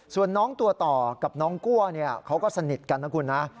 ส่วนน้องตัวต่อกับน้องกั้วเขาก็สนิทกันนะคุณนะ